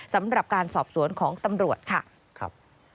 สำหรับการสอบสวนของตำรวจค่ะ